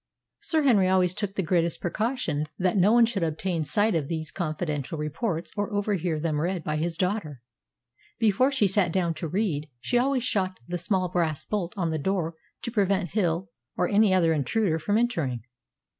Sir Henry always took the greatest precaution that no one should obtain sight of these confidential reports or overhear them read by his daughter. Before she sat down to read, she always shot the small brass bolt on the door to prevent Hill or any other intruder from entering.